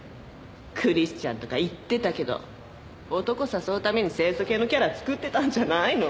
クリスチャンとか言ってたけど男誘うために清楚系のキャラ作ってたんじゃないの？